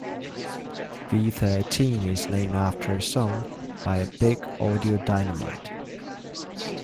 V Thirteen is named after a song by Big Audio Dynamite.